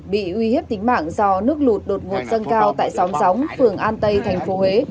bị uy hiếp tính mạng do nước lụt đột ngột dâng cao tại xóm sáu phường an tây tp huế